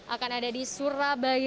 akan ada di surabaya